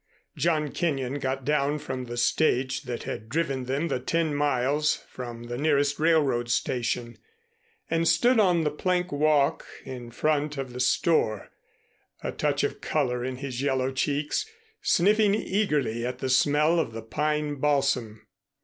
John Kenyon got down from the stage that had driven them the ten miles from the nearest railroad station and stood on the plank walk in front of the store, a touch of color in his yellow cheeks, sniffing eagerly at the smell of the pine balsam.